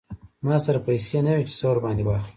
ما سره پیسې نه وې چې څه ور باندې واخلم.